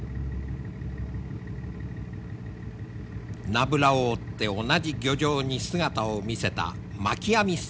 ナブラを追って同じ漁場に姿を見せたまき網船団。